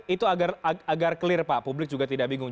itu agar clear pak publik juga tidak bingung